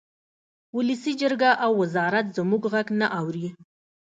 ولسي جرګه او وزارت زموږ غږ نه اوري